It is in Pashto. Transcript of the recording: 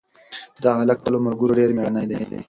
دا هلک تر خپلو ملګرو ډېر مېړنی دی.